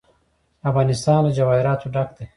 افغانستان له جواهرات ډک دی.